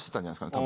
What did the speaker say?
多分。